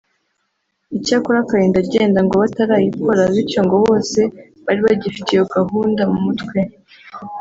icyakora akarinda agenda ngo batarayikora bityo ngo bose bari bagifite iyo gahunda mu mutwe